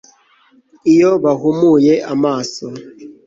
iyo bahumuye amaso